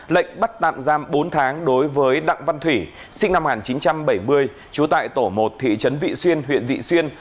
lệnh bắt tạm giam bốn tháng đối với đặng văn thủy sinh năm một nghìn chín trăm bảy mươi trú tại tổ một thị trấn vị xuyên huyện vị xuyên